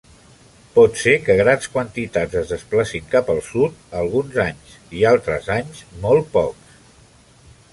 Pot ser que grans quantitats es desplacin cap al sud alguns anys; i altres anys, molt pocs.